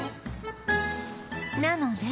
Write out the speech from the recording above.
なので